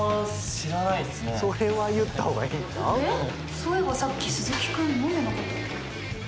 そういえばさっきすずき君飲んでなかったっけ？